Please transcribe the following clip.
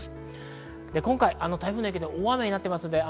今回、台風の影響で大雨になっています。